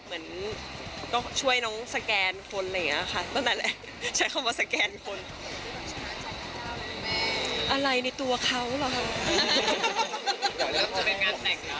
เหมือนก็ช่วยน้องสแกนคนอะไรอย่างนี้ค่ะ